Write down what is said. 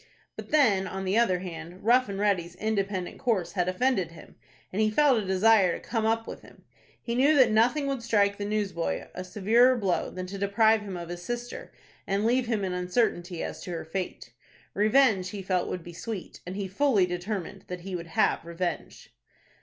But then, on the other hand, Rough and Ready's independent course had offended him, and he felt a desire to "come up" with him. He knew that nothing would strike the newsboy a severer blow than to deprive him of his sister, and leave him in uncertainty as to her fate. Revenge he felt would be sweet, and he fully determined that he would have revenge.